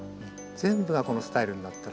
全部がこのスタイルになったら。